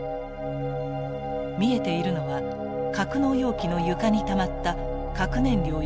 見えているのは格納容器の床にたまった核燃料や構造物。